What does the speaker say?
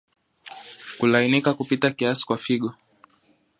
Kulainika kupita kiasi kwa figo